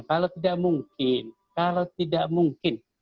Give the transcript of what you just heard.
kalau tidak mungkin kalau tidak mungkin